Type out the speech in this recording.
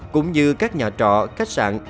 cũng như các nhà trọ khách sạn